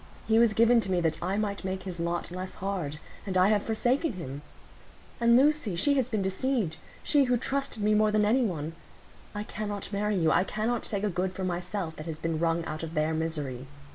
He was given to me that I might make his lot less hard; and I have forsaken him. And Lucy—she has been deceived; she who trusted me more than any one. I cannot marry you; I cannot take a good for myself that has been wrung out of their misery.